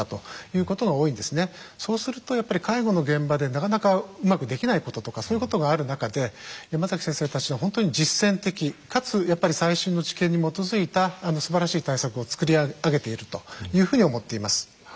そうするとやっぱり介護の現場でなかなかうまくできないこととかそういうことがある中で山崎先生たちの本当に実践的かつやっぱり最新の知見に基づいたすばらしい対策を作り上げているというふうに思っています。